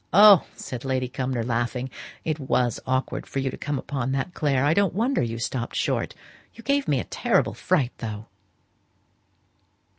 '" "Oh!" said Lady Cumnor, laughing, "it was awkward for you to come upon that, Clare: I don't wonder you stopped short. You gave me a terrible fright, though."